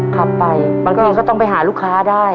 ขับไปบางทีก็ต้องไปหาลูกค้าได้